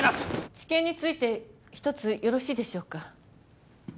治験について一つよろしいでしょうか？